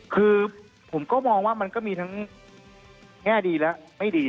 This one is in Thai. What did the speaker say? คือผมก็มองว่ามันก็มีทั้งแง่ดีและไม่ดี